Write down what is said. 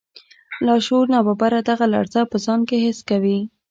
لاشعور ناببره دغه لړزه په ځان کې حس کوي